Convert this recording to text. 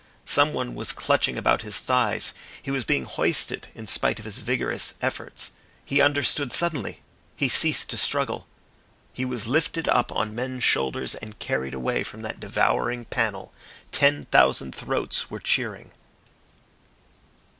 Someone was clutching about his thighs, he was being hoisted in spite of his vigorous efforts. He understood suddenly, he ceased to struggle. He was lifted up on men's shoulders and carried away from that devouring panel. Ten thousand throats were cheering.